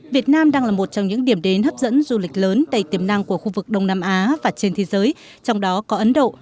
việt nam đang là một trong những điểm đến hấp dẫn du lịch lớn đầy tiềm năng của khu vực đông nam á và trên thế giới trong đó có ấn độ